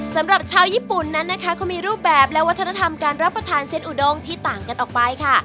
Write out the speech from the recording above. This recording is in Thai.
สำหรับชาวญี่ปุ่นนั้นนะคะเขามีรูปแบบและวัฒนธรรมการรับประทานเส้นอุดงที่ต่างกันออกไปค่ะ